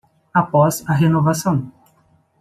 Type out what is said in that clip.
Após a renovação